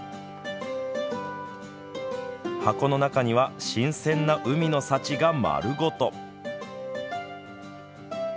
箱の中には新鮮な海の幸が丸ごと。